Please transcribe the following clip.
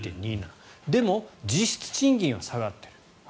でも、実質賃金は下がっている。